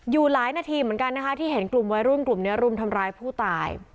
อยู่หลายนาทีเหมือนกันนะคะที่เห็นกลุ่มวัยรุ่นกลุ่มนี้รุมทำร้ายผู้ตาย